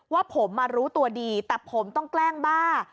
ว่าผมมารู้ตัวดีแต่ผมต้องแกล้งบ้า